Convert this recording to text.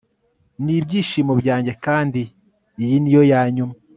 Nibyishimo byanjye kandi iyi niyo yanyuma